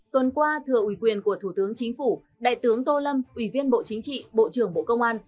tuần qua thừa ủy quyền của thủ tướng chính phủ đại tướng tô lâm ủy viên bộ chính trị bộ trưởng bộ công an